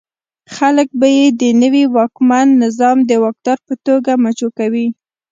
خلک به یې د نوي واکمن نظام د واکدار په توګه مچو کوي.